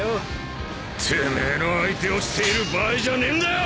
てめえの相手をしている場合じゃねえんだよ！